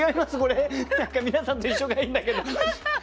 何か皆さんと一緒がいいんだけど。